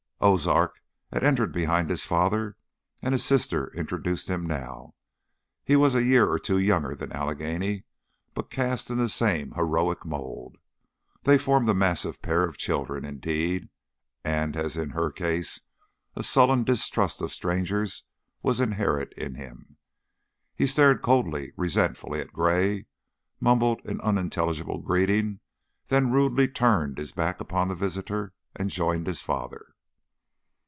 Ozark had entered behind his father, and his sister introduced him now. He was a year or two younger than Allegheny, but cast in the same heroic mold. They formed a massive pair of children indeed, and, as in her case, a sullen distrust of strangers was inherent in him. He stared coldly, resentfully, at Gray, mumbled an unintelligible greeting, then rudely turned his back upon the visitor and joined his father.